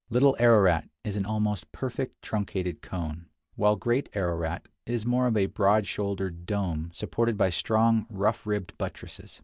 Little Ararat is an almost perfect truncated cone, while Great Ararat is more of a broad shouldered dome supported by strong, rough ribbed buttresses.